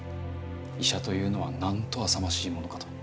医者というのはなんとあさましいものかと。